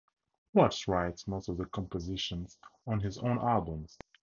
Watts writes most of the compositions on his own albums.